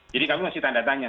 jadi kami masih tanda tanya